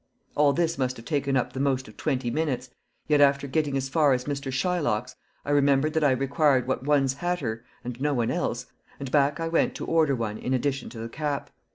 All this must have taken up the most of twenty minutes, yet after getting as far as Mr. Shylock's I remembered that I required what one's hatter (and no one else) calls a "boater," and back I went to order one in addition to the cap.